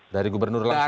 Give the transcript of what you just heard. dari gubernur langsung